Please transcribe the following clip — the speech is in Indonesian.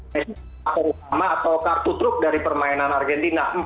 mession kartu utama atau kartu truk dari permainan argentina